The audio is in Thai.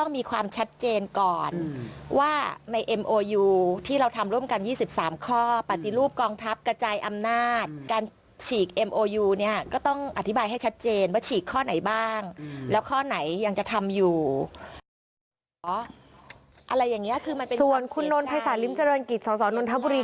ส่วนคุณโน้นภายศาสตร์ริมเจริญกิจสสนทบุรี